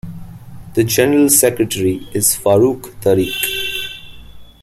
The General Secretary is Farooq Tariq.